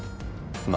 まあ